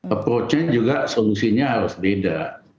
approach nya juga solusinya harus beda